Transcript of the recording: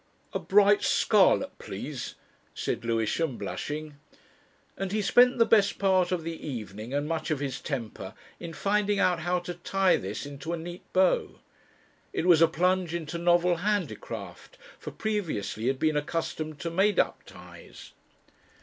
"A bright scarlet, please," said Lewisham, blushing. And he spent the best part of the evening and much of his temper in finding out how to tie this into a neat bow. It was a plunge into novel handicraft for previously he had been accustomed to made up ties.